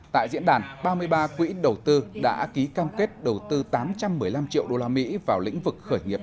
tại diễn đàn ba mươi ba quỹ đầu tư đã ký cam kết đầu tư tám trăm một mươi năm triệu đô la mỹ vào lĩnh vực khởi nghiệp